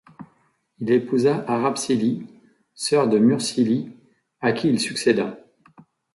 Il épousa Harapsili, sœur de Mursili, à qui il succéda.